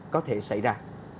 có thể xảy ra